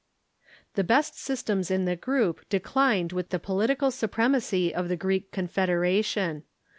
The best systems in the group declined with the political supremacy of the Greek confederation.